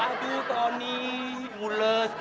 aduh tony mulus